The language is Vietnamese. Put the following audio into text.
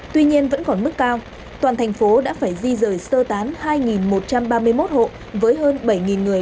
tuy nhiên vẫn còn mức cao toàn thành phố đã phải di rời sơ tán hai một trăm ba mươi một hộ với hơn bảy người